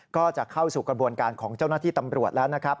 ก็จะเข้าสู่กระบวนการของเจ้าหน้าที่ตำรวจแล้วนะครับ